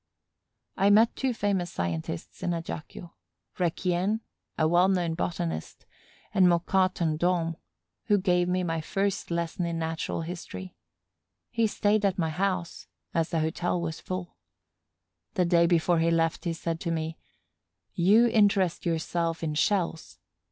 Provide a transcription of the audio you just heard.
I met two famous scientists in Ajaccio: Requien, a well known botanist, and Moquin Tandom, who gave me my first lesson in natural history. He stayed at my house, as the hotel was full. The day before he left he said to me: "You interest yourself in shells.